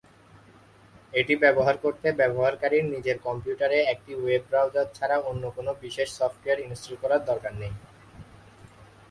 এটি ব্যবহার করতে, ব্যবহারকারীর নিজের কম্পিউটারে একটি ওয়েব ব্রাউজার ছাড়া অন্য কোনও বিশেষ সফ্টওয়্যার ইনস্টল করার দরকার নেই।